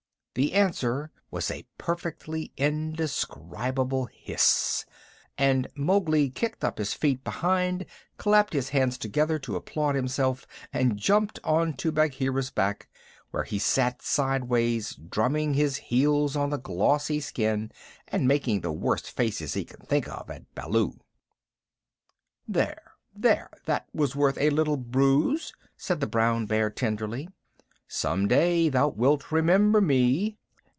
The answer was a perfectly indescribable hiss, and Mowgli kicked up his feet behind, clapped his hands together to applaud himself, and jumped on to Bagheera's back, where he sat sideways, drumming with his heels on the glossy skin and making the worst faces he could think of at Baloo. "There there! That was worth a little bruise," said the brown bear tenderly. "Some day thou wilt remember me."